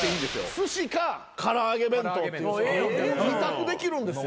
すしか唐揚げ弁当っていう２択できるんですよ。